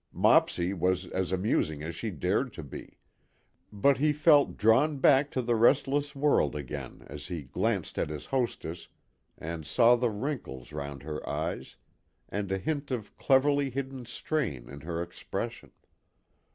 Mopsy was as amusing as she dared to be; but he felt drawn back to the restless world again as he glanced at his hostess and saw the wrinkles round her eyes and a hint of cleverly hidden strain in her expression.